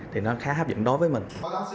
thì nó khá hấp dẫn đó với mình